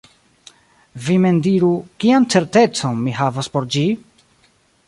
Vi mem diru: kian certecon mi havas por ĝi?